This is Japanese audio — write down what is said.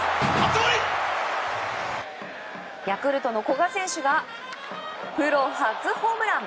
ヤクルトの古賀選手がプロ初ホームラン。